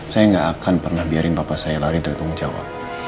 saya gak akan pernah biarin papa saya lari dari tunggung jawa